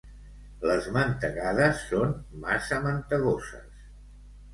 Les mantegades són massa mantegoses.